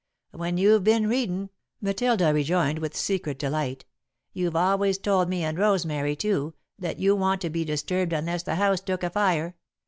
"When you've been readin'," Matilda rejoined, with secret delight, "you've always told me and Rosemary too that you wan't to be disturbed unless the house took afire.